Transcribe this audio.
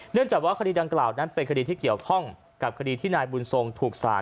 จากว่าคดีดังกล่าวนั้นเป็นคดีที่เกี่ยวข้องกับคดีที่นายบุญทรงถูกสาร